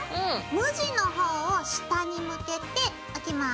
無地の方を下に向けて置きます。